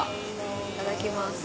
いただきます。